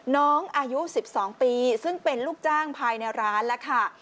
น้องอายุ๑๒ปีซึ่งเป็นลูกจ้างภายในร้านแล้วค่ะ